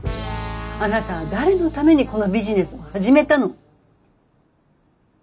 あなたは誰のためにこのビジネスを始めたの？